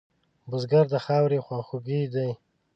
بزګر د خاورې خواخوږی دی